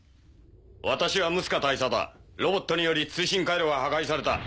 私はムスカ大佐だロボットにより通信回路が破壊された。